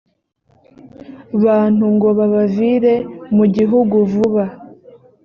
bantu ngo babavire mu gihugu vuba